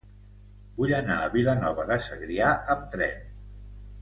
Vull anar a Vilanova de Segrià amb tren.